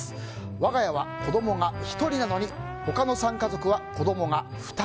我が家は子供が１人なのに他の３家族は子供が２人。